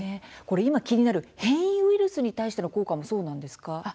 今、気になる変異ウイルスへの効果もそうなんですか。